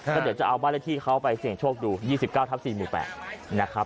เดี๋ยวจะเอาบ้านที่เขาไปเสียงโชคดู๒๙ทับ๔หมูแปะ